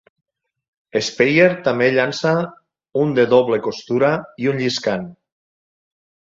Speier també llança un de doble costura i un lliscant.